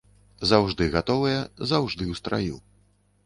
Заўжды гатовыя, заўжды ў страю.